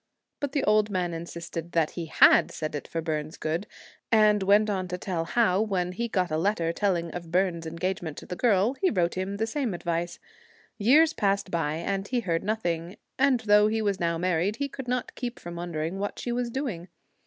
But the old man insisted that he had said it for Byrne's good ; and went on to tell how, when he got a letter telling of Byrne's engagement to the girl, he wrote him the same advice. Years passed by, and he heard nothing ; and though he was now married, he could not keep from wondering what she was doing.